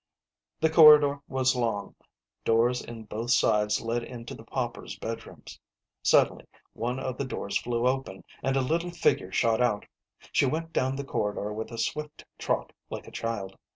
The corridor was long ; doors in both sides led into the paupers 1 bedrooms. Suddenly one of the doors flew open, and a little figure shot out. She went down the corridor with a swift trot like a child.